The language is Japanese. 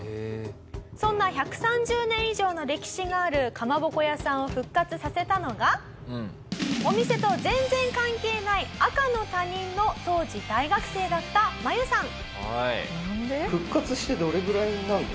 そんな１３０年以上の歴史があるかまぼこ屋さんを復活させたのがお店と全然関係ない赤の他人の当時大学生だったマユさん。